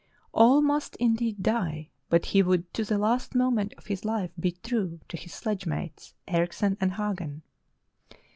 All must indeed die, but he would to the last moment of his life be true to his sledge mates, Erichsen and Hagen.